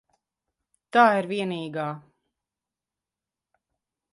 Tā ir vienīgā.